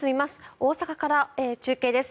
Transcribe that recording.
大阪から中継です。